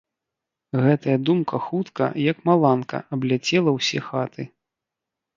Гэтая думка хутка, як маланка, абляцела ўсе хаты.